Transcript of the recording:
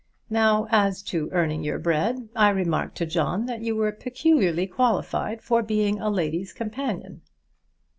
Now, as to earning your bread, I remarked to John that you were peculiarly qualified for being a lady's companion."